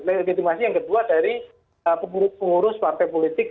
legitimasi yang kedua dari pengurus pengurus partai politik